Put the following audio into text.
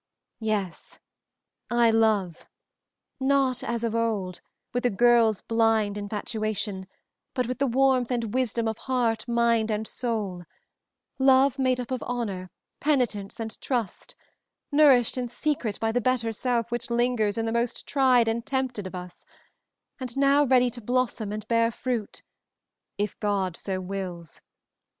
"Yes, I love; not as of old, with a girl's blind infatuation, but with the warmth and wisdom of heart, mind, and soul love made up of honor, penitence and trust, nourished in secret by the better self which lingers in the most tried and tempted of us, and now ready to blossom and bear fruit, if God so wills.